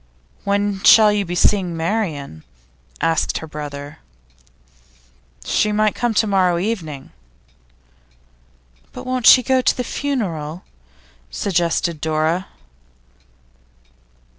'When shall you be seeing Marian?' asked her brother. 'She might come to morrow evening.' 'But won't she go to the funeral?' suggested Dora.